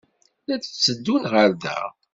La d-tteddun ɣer da?